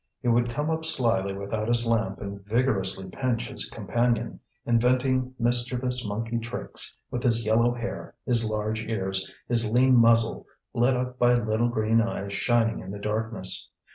He would come up slyly without his lamp and vigorously pinch his companion, inventing mischievous monkey tricks, with his yellow hair, his large ears, his lean muzzle, lit up by little green eyes shining in the darkness.